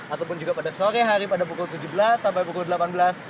ataupun juga pada sore hari pada pukul tujuh belas sampai pukul delapan belas